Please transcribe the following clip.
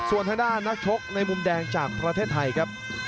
ส่วนทางด้านนักชกในมุมแดงจากประเทศไทยครับ